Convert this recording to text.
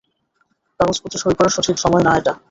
কাগজপত্রে সই করার সঠিক সময় না এটা।